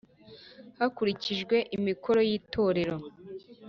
hakurikijwe amikoro y Itorero